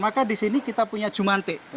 maka di sini kita punya jumantik